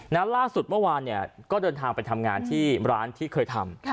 ล่าสุดเมื่อวานเนี่ยก็เดินทางไปทำงานที่ร้านที่เคยทำ